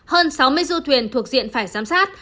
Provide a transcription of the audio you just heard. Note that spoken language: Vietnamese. hơn sáu mươi du thuyền thuộc diện phải giám sát